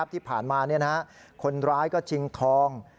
ที่ผ่านมาคนร้ายก็ชิงทอง